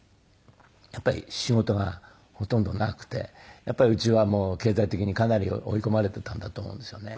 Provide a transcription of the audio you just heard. やっぱり仕事がほとんどなくてうちは経済的にかなり追い込まれていたんだと思うんですよね。